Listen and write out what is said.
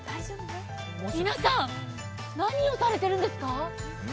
皆さん、何をされているんですか？